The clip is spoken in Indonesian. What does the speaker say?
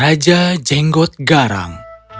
raja jenggot garang